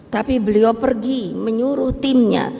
tapi beliau pergi menyuruh timnya